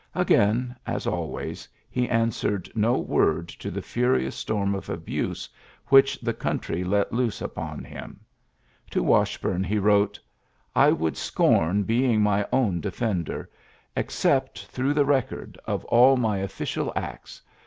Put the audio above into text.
Again, as always, he answered no word to the furious storm of abuse which the coun try let loose upon him. To Washburne he wrote: ^^I would scorn being my own defender ... except through the 68 ULYSSES S. GEA2JT record ... of all my official acts.